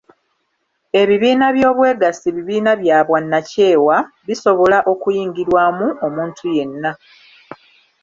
Ebibiina by’Obwegassi bibiina bya bwannakyewa, bisobola okuyingirwamu omuntu yenna.